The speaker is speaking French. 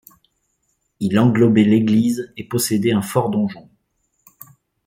Il englobait l'église et possédait un fort donjon.